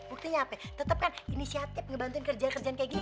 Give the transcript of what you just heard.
buktinya apa tetep kan inisiatif ngebantuin kerjaan kerjaan dia